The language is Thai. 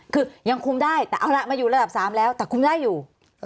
คือยังคุมได้แต่เอาล่ะมาอยู่ระดับ๓แล้วแต่คุ้มได้อยู่